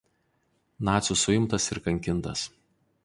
Nacių suimtas ir kankintas.